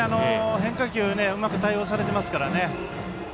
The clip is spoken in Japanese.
変化球、うまく対応されていますからね。